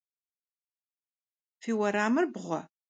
Fi vueramır bğue?